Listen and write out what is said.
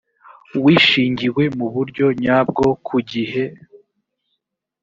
wishingiwe mu buryo nyabwo ku gihe